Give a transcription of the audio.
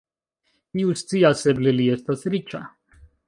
Kiu scias, eble li estas riĉa!